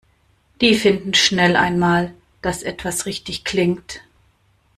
Die finden schnell einmal, dass etwas richtig klingt.